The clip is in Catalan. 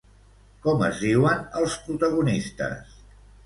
Com es diuen els protagonistes?